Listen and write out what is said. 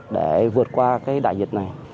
để vượt qua cái đại dịch này